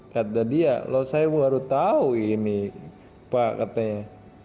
kata dia loh saya baru tahu ini pak katanya